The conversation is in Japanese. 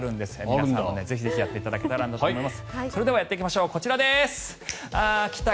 皆さんもぜひぜひやっていただけたらと思います。